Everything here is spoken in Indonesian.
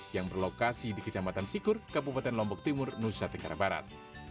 yang berlokasi di kecamatan sikur kabupaten lombok timur nusa tenggara barat